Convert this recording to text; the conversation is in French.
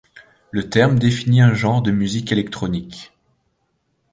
Le terme définit un genre de musique électronique.